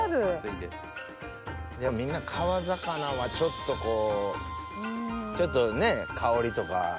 やっぱみんな川魚はちょっとこうちょっとね香りとか。